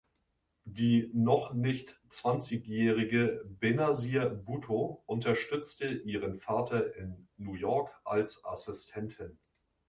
Die noch nicht zwanzigjährige Benazir Bhutto unterstützte ihren Vater in New York als Assistentin.